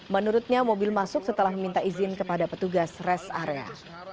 menurutnya mobil masuk setelah meminta izin kepada petugas res area